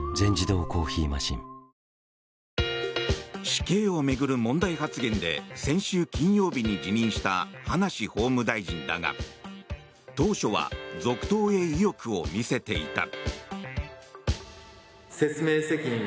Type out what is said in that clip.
死刑を巡る問題発言で先週金曜日に辞任した葉梨法務大臣だが当初は続投へ意欲を見せていた。